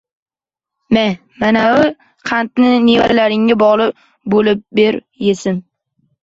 Ma, manavi qandni nevaralarimga bo‘lib ber, yesin!